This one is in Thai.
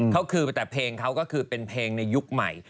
เขาคือแต่เพลงเขาก็คือเป็นเพลงในยุคใหม่